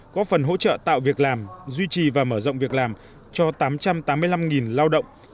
có phần hỗ trợ tạo việc làm duy trì và mở rộng việc làm cho tám trăm tám mươi năm lao động